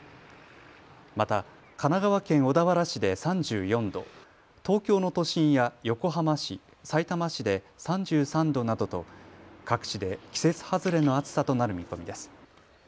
また神奈川県小田原市で３４度、東京の都心や横浜市、さいたま市で３３度などと各地で季節外れの暑さとなる見込みです。